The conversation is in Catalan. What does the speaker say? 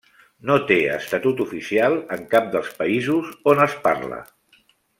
No té estatut oficial en cap dels països on es parla.